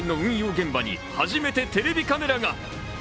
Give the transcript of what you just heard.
現場に初めてテレビカメラが。